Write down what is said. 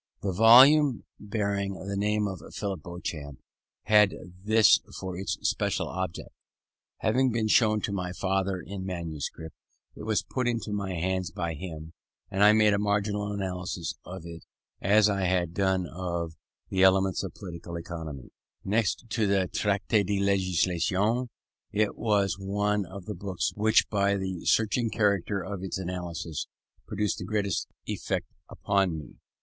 The volume bearing the name of Philip Beauchamp had this for its special object. Having been shown to my father in manuscript, it was put into my hands by him, and I made a marginal analysis of it as I had done of the Elements of Political Economy. Next to the Traité de Législation_, it was one of the books which by the searching character of its analysis produced the greatest effect upon me.